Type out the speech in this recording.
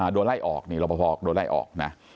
โดดไล่ออกรอบประพอโดดไล่ออก